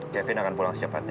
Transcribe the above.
kevin akan pulang secepatnya